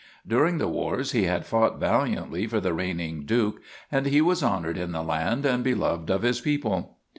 During the wars he had fought valiantly for the reigning Duke and he was honored in the land and beloved of his people.